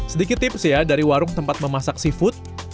sedikit tips ya dari warung tempat memasak seafood